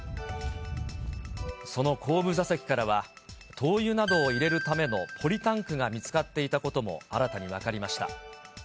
その後部座席からは、灯油などを入れるためのポリタンクが見つかっていたことも、新たに分かりました。